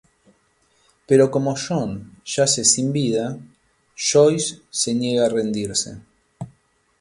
Pero como John yace sin vida, Joyce se niega a rendirse.